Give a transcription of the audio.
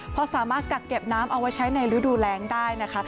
พอสามารถกักเก็บน้ำเอาไว้ใช้ในฤดูแรงได้นะคะ